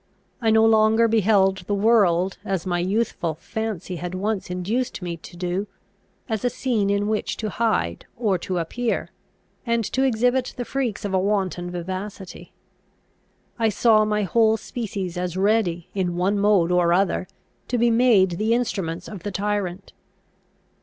I no longer beheld the world, as my youthful fancy had once induced me to do, as a scene in which to hide or to appear, and to exhibit the freaks of a wanton vivacity. I saw my whole species as ready, in one mode or other, to be made the instruments of the tyrant.